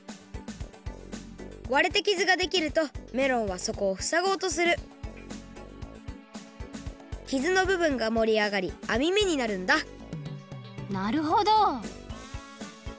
割れて傷ができるとメロンはそこをふさごうとする傷のぶぶんがもりあがりあみ目になるんだなるほど！